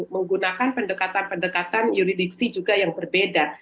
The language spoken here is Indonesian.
menggunakan pendekatan pendekatan yuridiksi juga yang berbeda